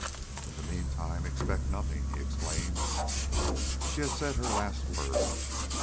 "In the meantime, expect nothing," he exclaimed; "she has said her last word.